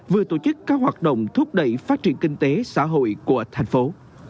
vừa tổ chức các hoạt động thúc đẩy phát triển kinh tế xã hội của thành phố